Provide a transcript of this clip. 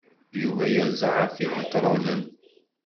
Yuba yerza ɣef Ibetṛunen.